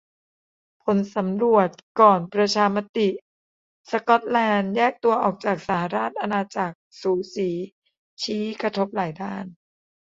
ผลสำรวจก่อนประชามติ สก๊อตแลนด์แยกตัวออกจากสหราชอาณาจักร"สูสี" ชี้ "กระทบหลายด้าน"